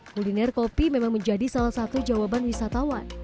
kuliner kopi memang menjadi salah satu jawaban wisatawan